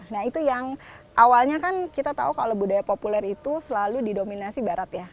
nah itu yang awalnya kan kita tahu kalau budaya populer itu selalu didominasi barat ya